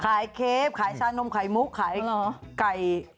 เคฟขายชานมไข่มุกขายไก่